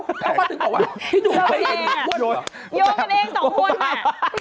แล้วก็ถึงบอกว่าถ้าหนูเคยเห็นโยน